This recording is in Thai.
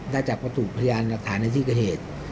ได้จากวัตถุพยานหลักฐานในที่เกิดเหตุ